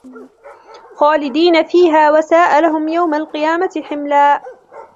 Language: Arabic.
خالدين فيه وساء لهم يوم القيامة حملا